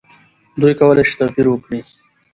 دوی کولی شي توپیر وکړي.